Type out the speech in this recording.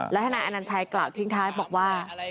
และท่านอันนันชายกล่าวทิ้งท้ายบอกว่า